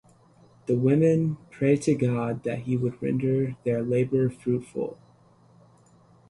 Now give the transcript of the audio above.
The women pray to the god that he would render their labor fruitful.